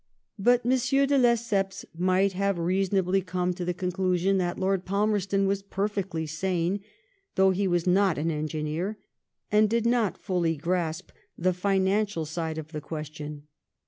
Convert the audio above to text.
''^ But M. de Lesseps might have reasonably come to the conclusion that Lord Palmerston was perfectly sane, though he was not an engineer, and did not fully grasp the financial side of the question.